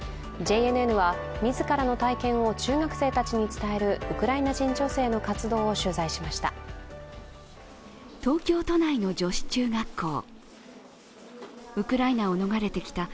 ＪＮＮは自らの体験を中学生たちに伝えるウクライナ人女性の活動を取材しました。